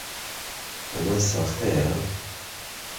ئەمە ساختەیە؟